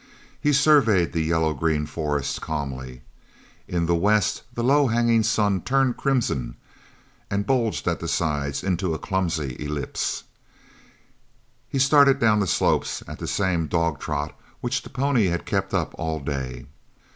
He surveyed the yellow green forest calmly. In the west the low hanging sun turned crimson and bulged at the sides into a clumsy elipse. He started down the slope at the same dog trot which the pony had kept up all day.